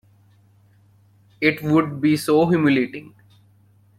It would be so humiliating.